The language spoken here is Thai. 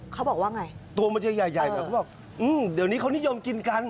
เขาบอกว่าไงตัวมันจะใหญ่ใหญ่แบบเขาบอกอืมเดี๋ยวนี้เขานิยมกินกัน